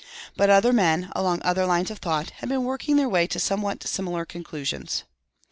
But other men, along other lines of thought, had been working their way to somewhat similar conclusions.